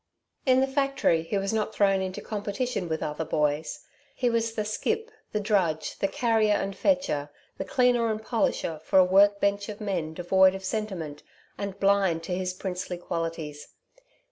In the factory he was not thrown into competition with other boys. He was the skip, the drudge, the carrier and fetcher, the cleaner and polisher for a work bench of men devoid of sentiment and blind to his princely qualities.